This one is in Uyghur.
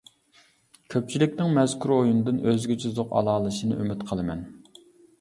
كۆپچىلىكنىڭ مەزكۇر ئويۇندىن ئۆزگىچە زوق ئالالىشىنى ئۈمىد قىلىمەن!